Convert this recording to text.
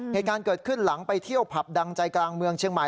เหตุการณ์เกิดขึ้นหลังไปเที่ยวผับดังใจกลางเมืองเชียงใหม่